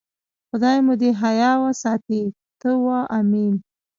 خدای مو دې حیا وساتي، ته وا آمین.